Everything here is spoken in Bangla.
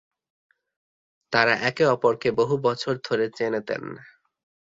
তারা একে অপরকে বহু বছর ধরে চেনেতেন।